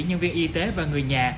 nhân viên y tế và người nhà